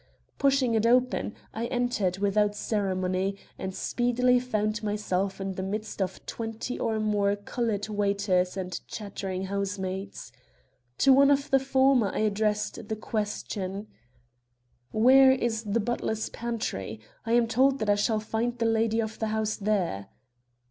Pushing it open, I entered without ceremony, and speedily found myself in the midst of twenty or more colored waiters and chattering housemaids. To one of the former I addressed the question: "Where is the butler's pantry? I am told that I shall find the lady of the house there."